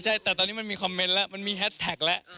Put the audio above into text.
ใช่แต่ตอนนี้มันมีคอมเมนต์แล้วมันมีแฮสแท็กแล้ว